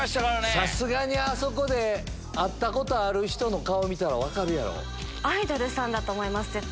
さすがに会ったことある人の顔見たら分かるやろ。